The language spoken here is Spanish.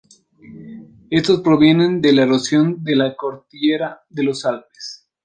Estos provienen de la erosión de la cordillera de los Alpes.